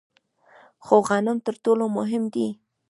خو غنم تر ټولو مهم دي.